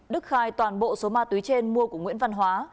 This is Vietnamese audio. đức khai toàn bộ số ma túy trên mua của nguyễn văn hóa